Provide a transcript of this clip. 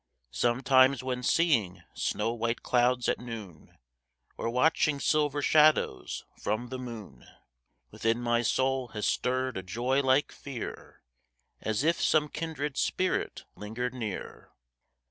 Sometimes when seeing snow white clouds at noon, Or watching silver shadows from the moon, Within my soul has stirred a joy like fear, As if some kindred spirit lingered near.